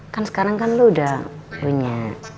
kan sekarang kan lo udah punya